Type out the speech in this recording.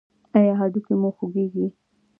ایا هډوکي مو خوږیږي؟